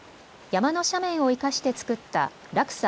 山の斜面を生かして造った落差